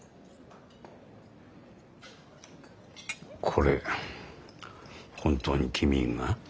これ本当に君が？